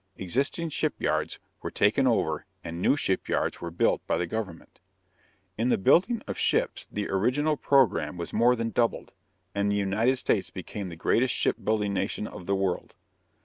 Existing shipyards were taken over, and new shipyards were built by the government. In the building of ships the original program was more than doubled, and the United States became the greatest shipbuilding nation of the world.